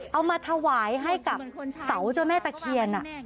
เอามาถวายให้กับเสาเจ้าแม่ตะเคียน